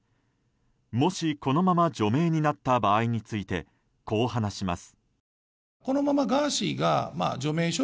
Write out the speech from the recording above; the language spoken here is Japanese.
もし、このまま除名になった場合についてこう話します。